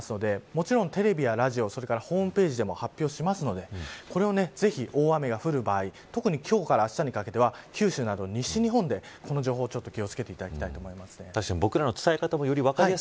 もちろんテレビやラジオそれからホームページなどでも発表するのでこれをぜひ、大雨が降る場合特に今日からあしたにかけては九州など西日本でこの情報に気を付けていただきたいです。